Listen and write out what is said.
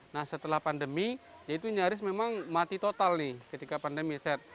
nah setelah pandemi ya itu nyaris memang mati total nih ketika pandemi set